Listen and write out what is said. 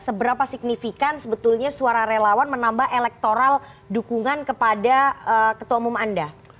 seberapa signifikan sebetulnya suara relawan menambah elektoral dukungan kepada ketua umum anda